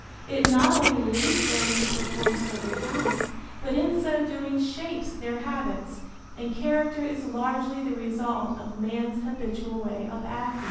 It not only leads them to perform certain acts, but in so doing shapes their habits; and character is largely the result of man's habitual way of acting.